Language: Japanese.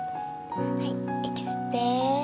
はい息吸って。